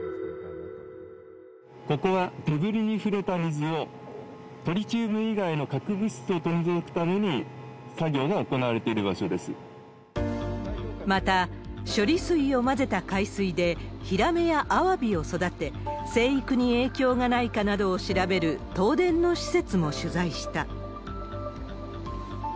ここは、デブリに触れた水をトリチウム以外の核物質を取り除くために、作また、処理水を混ぜた海水で、ヒラメやアワビを育て、成育に影響がないかなどを調べる東電の施設も取材した。